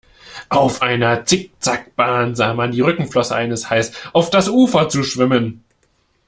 Auf einer Zickzack-Bahn sah man die Rückenflosse eines Hais auf das Ufer zuschwimmen.